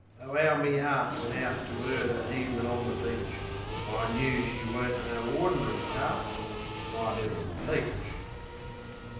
Oh, 'ow me 'eart Went out to 'er that evnin' on the beach. I knew she weren't no ordinary tart, My little peach!